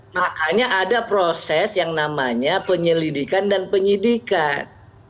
makanya ada proses yang namanya penyelidikan dan penyidikan